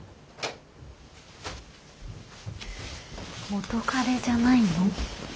元カレじゃないの？